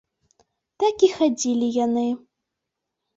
Так і хадзілі яны.